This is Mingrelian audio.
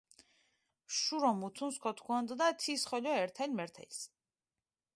შურო მუთუნს ქოთქუანდუდა, თის ხოლო ერთელ-მერთელს.